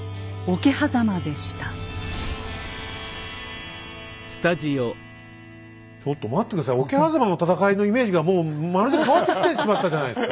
桶狭間の戦いのイメージがもうまるで変わってきてしまったじゃないですか！